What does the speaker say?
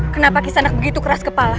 kenapa kisanak begitu keras kepala